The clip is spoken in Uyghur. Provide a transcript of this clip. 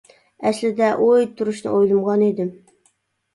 ئەسلىدە ئۇ ئۆيدە تۇرۇشنى ئويلىمىغان ئىدىم.